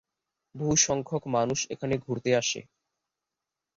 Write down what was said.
বহু সংখ্যক মানুষ এখানে ঘুরতে আসে।